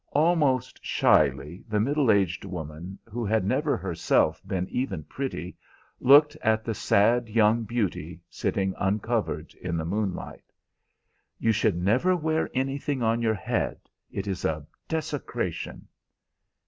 Almost shyly the middle aged woman, who had never herself been even pretty, looked at the sad young beauty, sitting uncovered in the moonlight. "You should never wear anything on your head. It is desecration."